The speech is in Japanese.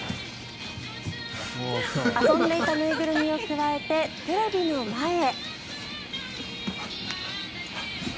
遊んでいた縫いぐるみをくわえてテレビの前へ。